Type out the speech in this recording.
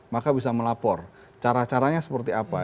maka bisa melapor cara caranya seperti apa